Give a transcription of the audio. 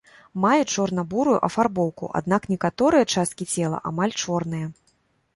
Маюць чорна-бурую афарбоўку, аднак некаторыя часткі цела амаль чорныя.